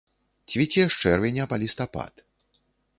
Цвіце з чэрвеня па лістапад.